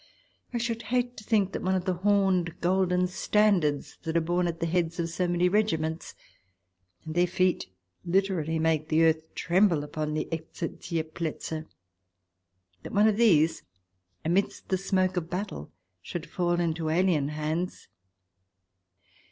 ... I PREFACE xi should hate to think that one of the horned golden standards that are borne at the heads of so many regiments — and their feet literally make the earth tremble upon the Exerzierplaetze — that one of these, amidst the smoke of battle, should fall into alien hands.